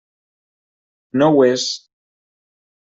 No ho és.